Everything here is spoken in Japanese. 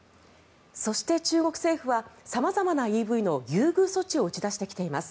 そして中国政府は様々なＥＶの優遇措置を打ち出してきています。